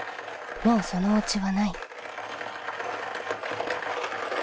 もうそのおうちはない。